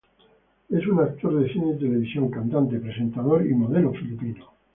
Es un actor de cine y televisión, cantante, presentador y modelo filipino.